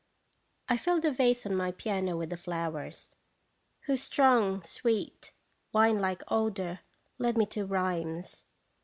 I filled a vase on my piano with the flowers, whose strong, sweet, wine like odor led me to rhymes.